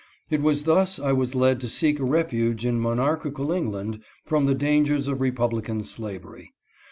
It was thus I was led to seek a refuge in mon archical England from the dangers of republican slavery.